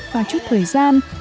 và chút thời gian